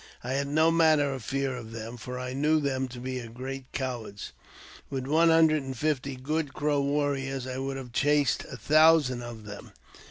I had no manner of fear of them, for I knew them to be great cowards ; with one hundred and fifty good Crow warriors I would have chased a thousand of them.